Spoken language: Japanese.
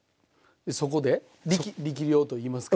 そこで力量といいますか。